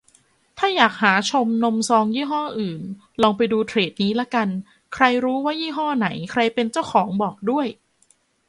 ถ้าอยากหาชมนมซองยี่ห้ออื่น ลองไปดูเทรดนี้ละกัน ใครรู้ว่ายี่ห้อไหนใครเป็นเจ้าของบอกด้วย